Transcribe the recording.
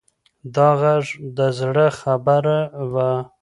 دا غږ د زړه خبره وه.